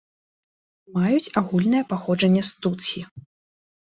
Маюць агульнае паходжанне з тутсі.